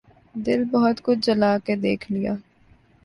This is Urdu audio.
دل بہت کچھ جلا کے دیکھ لیا